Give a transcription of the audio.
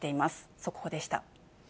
速報でした。